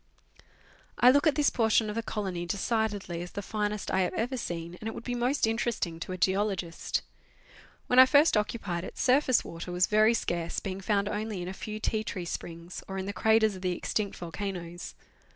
I look at this portion of the colony decidedly as the finest I have ever seen, and it would be most interesting to a geologist. When I first occupied it, surface water was very scarce, being found only in a few tea tree springs, or in the craters of the extinct volcanoes.